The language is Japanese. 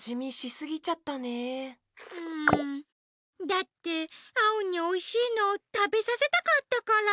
だってアオにおいしいのたべさせたかったから。